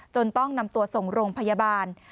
ต้องนำตัวส่งโรงพยาบาล